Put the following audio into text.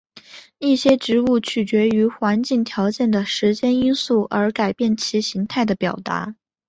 一些植物取决于环境条件的时间因素而改变其形态的表达。